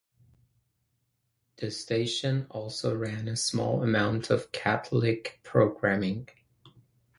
The station also ran a small amount of Catholic programming.